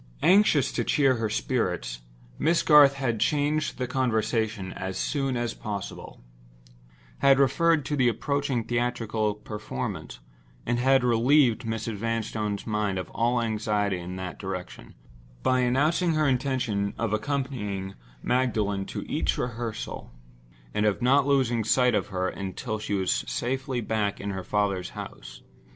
Anxious to cheer her spirits, Miss Garth had changed the conversation as soon as possible—had referred to the approaching theatrical performance—and had relieved Mrs. Vanstone's mind of all anxiety in that direction, by announcing her intention of accompanying Magdalen to each rehearsal, and of not losing sight of her until she was safely back again in her father's house.